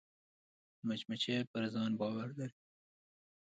مچمچۍ پر ځان باور لري